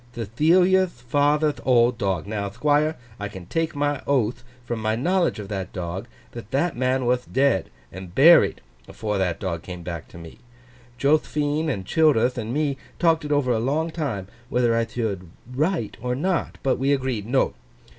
'Thethilia'th father'th old dog. Now, Thquire, I can take my oath, from my knowledge of that dog, that that man wath dead—and buried—afore that dog come back to me. Joth'phine and Childerth and me talked it over a long time, whether I thould write or not. But we agreed, "No.